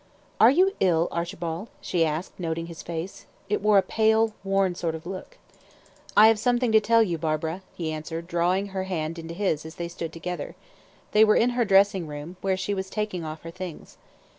"Are you ill, Archibald?" she asked, noting his face. It wore a pale, worn sort of look. "I have something to tell you, Barbara," he answered, drawing her hand into his, as they stood together. They were in her dressing room, where she was taking off her things.